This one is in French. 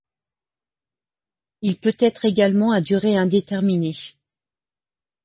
Il peut être également à durée indéterminée.